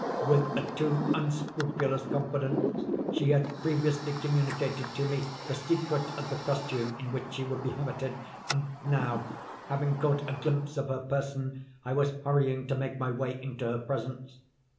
With a too unscrupulous confidence she had previously communicated to me the secret of the costume in which she would be habited, and now, having caught a glimpse of her person, I was hurrying to make my way into her presence.